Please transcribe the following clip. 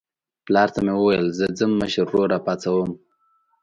پلار ته مې وویل زه ځم مشر ورور راپاڅوم.